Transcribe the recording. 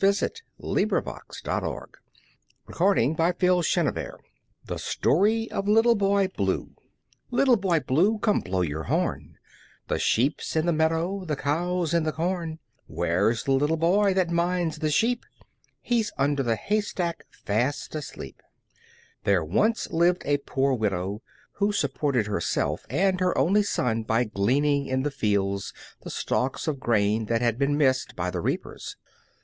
[Illustration: The Story of Little Boy Blue] The Story of Little Boy Blue Little Boy Blue, come blow your horn, The sheep's in the meadow, the cow's in the corn; Where's the little boy that minds the sheep? He's under the haystack, fast asleep! THERE once lived a poor widow who supported herself and her only son by gleaning in the fields the stalks of grain that had been missed by the reapers.